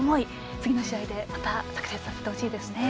次の試合でまたさく裂させてほしいですね。